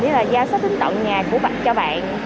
đó là giao sách đến tận nhà của bạn cho bạn